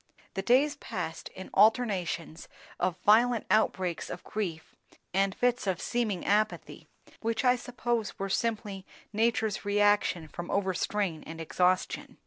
The days passed in alternations of violent outbreaks of grief and fits of seeming apathy, which I suppose were simply nature's reaction from overstrain and exhaustion.